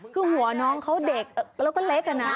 คือหัวน้องเขาเด็กแล้วก็เล็กอะนะ